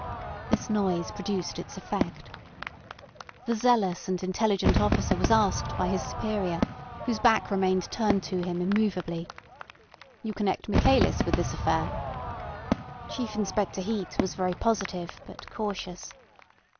This noise produced its effect. The zealous and intelligent officer was asked by his superior, whose back remained turned to him immovably: "You connect Michaelis with this affair?" Chief Inspector Heat was very positive, but cautious.